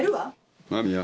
間宮。